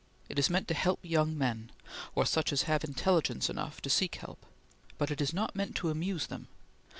It is meant to help young men or such as have intelligence enough to seek help but it is not meant to amuse them.